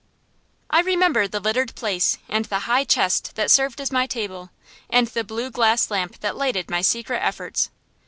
I remember the littered place, and the high chest that served as my table, and the blue glass lamp that lighted my secret efforts.